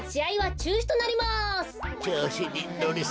ちょうしにのりすぎた。